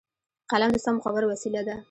قلم د سمو خبرو وسیله ده